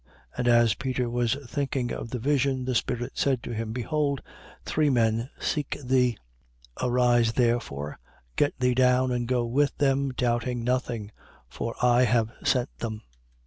10:19. And as Peter was thinking of the vision, the Spirit said to him: Behold three men seek thee. 10:20. Arise, therefore: get thee down and go with them, doubting nothing: for I have sent them.